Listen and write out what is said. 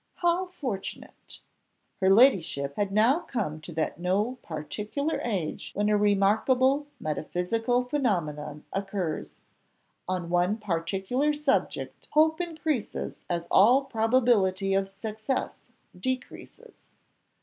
"How fortunate!" Her ladyship had now come to that no particular age, when a remarkable metaphysical phenomenon occurs; on one particular subject hope increases as all probability of success decreases.